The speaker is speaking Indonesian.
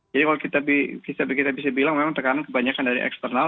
jadi kalau kita bisa bilang memang tekanan kebanyakan dari eksternal